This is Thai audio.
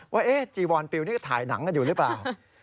ว่าจีวอนปิวนี่ก็ถ่ายหนังกันอยู่หรือเปล่า